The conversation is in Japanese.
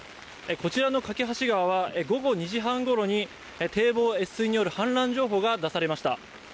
こちらの梯川は午後２時半ごろに、堤防越水による氾濫情報が出されました。